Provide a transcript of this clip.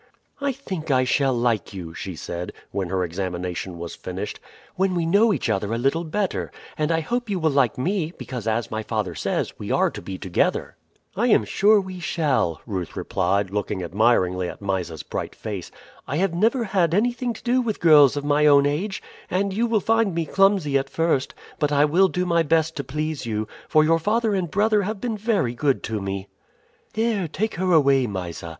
"I think I shall like you," she said when her examination was finished, "when we know each other a little better, and I hope you will like me; because, as my father says, we are to be together." "I am sure we shall," Ruth replied, looking admiringly at Mysa's bright face. "I have never had anything to do with girls of my own age, and you will find me clumsy at first; but I will do my best to please you, for your father and brother have been very good to me." "There, take her away, Mysa.